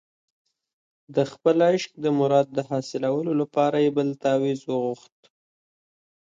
د خپل عشق د مراد د حاصلولو لپاره یې بل تاویز وغوښت.